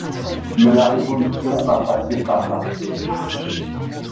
Mais la Révolution a passé par là !…